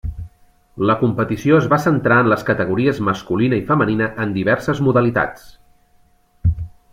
La competició es va centrar en les categories masculina i femenina en diverses modalitats.